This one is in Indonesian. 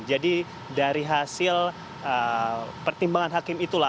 jadi dari hasil pertimbangan hakim itulah